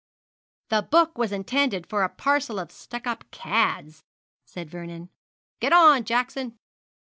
'The book was intended for a parcel of stuck up cads,' said Vernon. 'Get on, Jackson.'